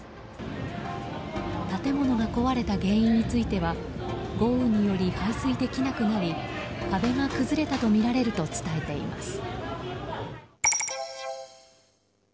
建物が壊れた原因については豪雨により排水できなくなり壁が崩れたとみられると伝えています。